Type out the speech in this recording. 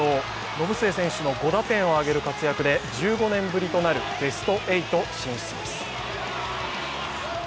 延末選手の５打点を挙げる活躍で１５年ぶりとなるベスト８進出です。